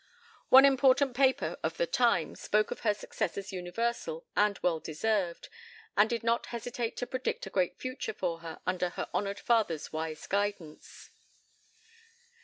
One important paper of the time spoke of her success as universal and well deserved, and did not hesitate to predict a great future for her under her honoured father's wise guidance.